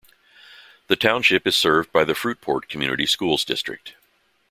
The township is served by the Fruitport Community Schools district.